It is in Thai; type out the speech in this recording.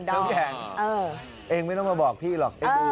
อะครับพี่แข็งเองไม่น้องมาบอกพี่หรอก